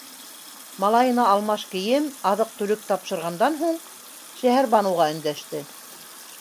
Малайына алмаш кейем, аҙыҡ-түлек тапшырғандан һуң, Шәһәрбаныуға өндәште: